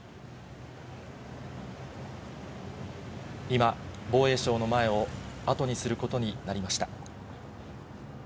今、防衛省の前を後にすることになりました。